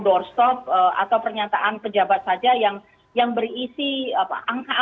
tetapi kita punya tanggung jawab yang sangat besar untuk mendorong ini